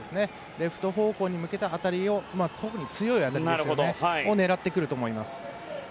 レフト方向に向けた当たり特に強い当たりを狙ってくると思います。